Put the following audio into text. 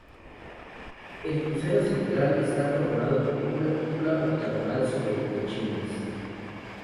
El crucero central está coronado por una cúpula octogonal sobre pechinas.